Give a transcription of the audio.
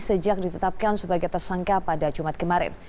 sejak ditetapkan sebagai tersangka pada jumat kemarin